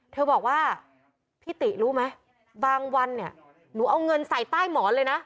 เธอบอกว่าพี่ติรู้ไหมบางวันเนี่ยหนูเอาเงินใส่ใต้หมอนเลยนะ